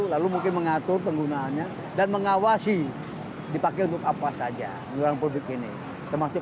lalu mungkin mengatur penggunaannya dan mengawasi dipakai untuk apa saja di ruang publik ini termasuk